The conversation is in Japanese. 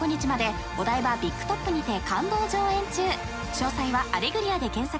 ［詳細はアレグリアで検索。